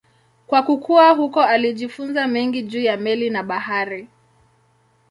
Kwa kukua huko alijifunza mengi juu ya meli na bahari.